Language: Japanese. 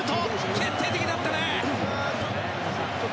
決定的だったね！